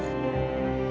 saya tidak tahu